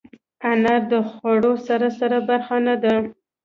انار د خوړو سرسري برخه نه ده.